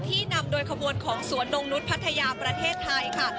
ที่นำโดยขบวนของสวนองค์นุฏภัทยาประเทศไทยค่ะ